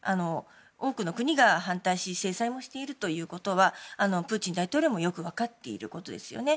多くの国が反対し制裁をしているということはプーチン大統領もよく分かっていることですよね。